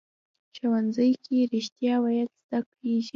ښوونځی کې رښتیا ویل زده کېږي